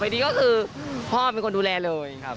ดีก็คือพ่อเป็นคนดูแลเลย